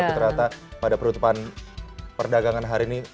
ternyata pada perutupan perdagangan hari ini